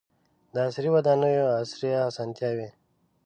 • د عصري ودانیو عصري اسانتیاوې.